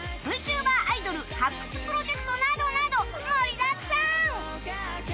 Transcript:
ＶＴｕｂｅｒ アイドル発掘プロジェクトなどなど盛りだくさん！